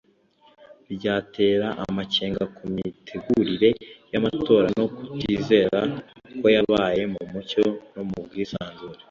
byatera amakenga ku mitegurire y’amatora no kutizera ko yabaye mu mucyo no mu bwisanzure